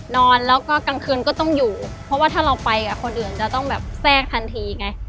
นอนแล้วก็กลางคืนก็ต้องอยู่เพราะว่าถ้าเราไปกับคนอื่นจะต้องแบบแทรกทันทีไง